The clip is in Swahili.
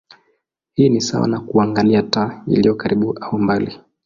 Hii ni sawa na kuangalia taa iliyo karibu au mbali.